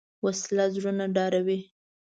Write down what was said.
وسله زړونه ډاروي